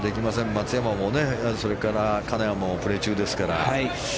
松山も、それから金谷もプレー中ですから。